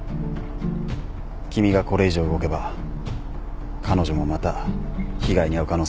君がこれ以上動けば彼女もまた被害に遭う可能性がある。